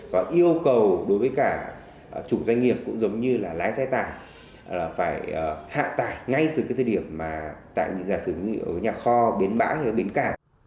và yêu cầu đối với cả chủ doanh nghiệp cũng giống như là lái xe tải là phải hạ tải ngay từ cái thời điểm mà tại những nhà xử lý ở nhà kho bến bã hay bến cả